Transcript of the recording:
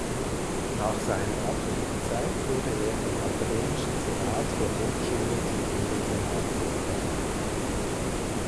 Nach seiner aktiven Zeit wurde er vom Akademischen Senat der Hochschule zum Ehrensenator ernannt.